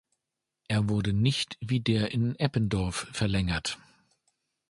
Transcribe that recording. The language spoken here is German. Er wurde nicht wie der in Eppendorf verlängert.